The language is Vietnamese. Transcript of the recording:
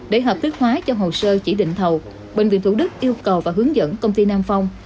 để hợp thức hóa cho hồ sơ chỉ định thầu bệnh viện thủ đức yêu cầu và hướng dẫn công ty nam phong